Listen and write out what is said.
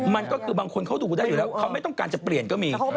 มันก็คือบางคนเขาดูได้อยู่แล้วเขาไม่ต้องการจะเปลี่ยนก็มี